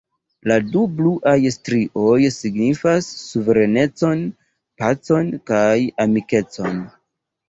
La du bluaj strioj signifas suverenecon, pacon kaj amikecon.